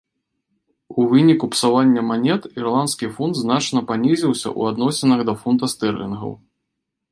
У выніку псавання манет ірландскі фунт значна панізіўся ў адносінах да фунта стэрлінгаў.